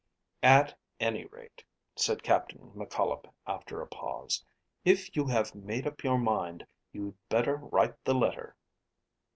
"At any rate," said Captain McCollop, after a pause, "if you have made up your mind, you'd better write the letter."